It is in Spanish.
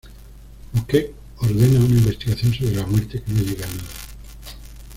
Möngke ordena una investigación sobre la muerte que no llega a nada.